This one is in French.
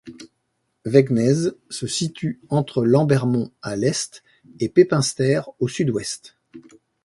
Wegnez se situe entre Lambermont à l'Est et Pepinster au Sud-Ouest.